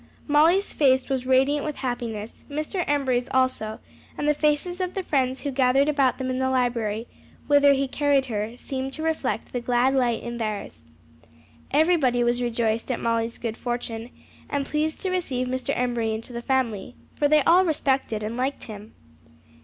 Molly's face was radiant with happiness; Mr. Embury's also; and the faces of the friends who gathered about them in the library, whither he carried her, seemed to reflect the glad light in theirs. Everybody was rejoiced at Molly's good fortune, and pleased to receive Mr. Embury into the family, for they all respected and liked him.